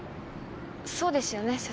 そうですよね？